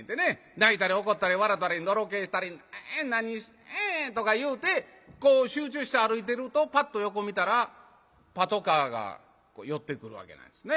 泣いたり怒ったり笑たりのろけたり「何してん」とか言うてこう集中して歩いてるとパッと横見たらパトカーが寄ってくるわけなんですね。